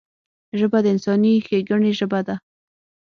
ژبه د انساني ښیګڼې ژبه ده